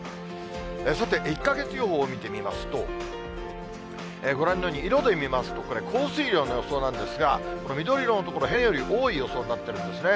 さて、１か月予報を見てみますと、ご覧のように、色で見ますとこれ、降水量の予想なんですが、緑色の所、平年より多い予想になっているんですね。